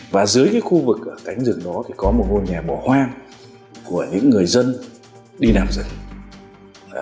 và dưới cái khu vực ở cánh rừng đó thì có một ngôi nhà bỏ hoang của những người dân đi làm rừng